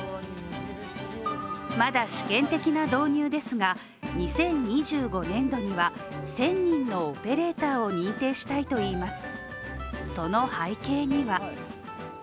まだ試験的な導入ですが、２０２５年度には１０００人のオペレーターを認定したいといいます